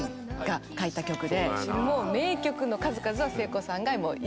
もう名曲の数々は聖子さんが一番！